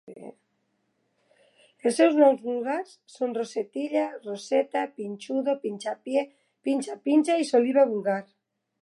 Els seus noms vulgars són rosetilla, roseta, pinchudo, pinchapié, pincha-pincha i soliva vulgar.